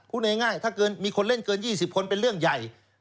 พูดง่ายถ้าเกิดมีคนเล่นเกิน๒๐คนเป็นเรื่องใหญ่